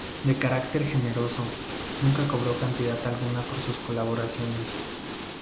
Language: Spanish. De carácter generoso, nunca cobró cantidad alguna por sus colaboraciones.